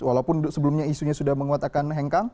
walaupun sebelumnya isunya sudah menguatakan hengkang